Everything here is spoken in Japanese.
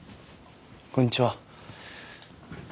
こんにちは。